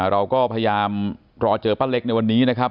เราก็พยายามรอเจอป้าเล็กในวันนี้นะครับ